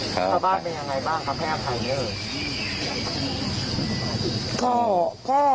ชาวบ้านเป็นยังไงบ้างครับให้อภัยเยอะเลย